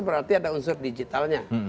berarti ada unsur digitalnya